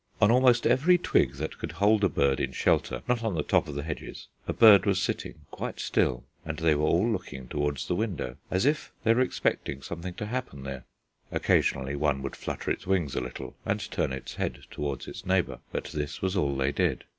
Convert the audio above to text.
On almost every twig that could hold a bird in shelter not on the top of the hedges a bird was sitting, quite still, and they were all looking towards the window, as if they were expecting something to happen there. Occasionally one would flutter its wings a little and turn its head towards its neighbour; but this was all they did.